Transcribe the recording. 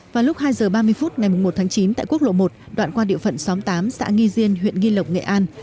vào lúc hai giờ ba mươi phút ngày một tháng chín tại quốc lộ một đoạn qua địa phận xóm tám xã nghi diên huyện nghi lộc nghệ an